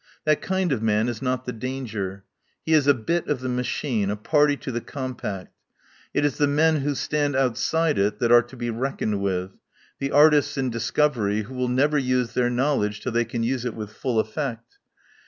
That kind of man is not the danger. He is a bit of the machine, a party to the com pact. It is the men who stand outside it that are to be reckoned with, the artists in discov ery who will never use their knowledge till they can use it with full effect.